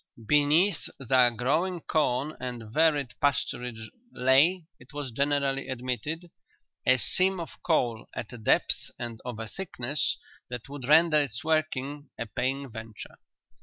Beneath their growing corn and varied pasturage lay, it was generally admitted, a seam of coal at a depth and of a thickness that would render its working a paying venture.